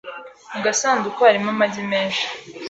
Mu gasanduku harimo amagi menshi .